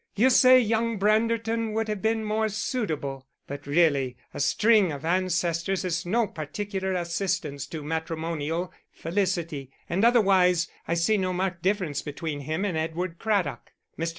You say young Branderton would have been more suitable; but really a string of ancestors is no particular assistance to matrimonial felicity, and otherwise I see no marked difference between him and Edward Craddock. Mr.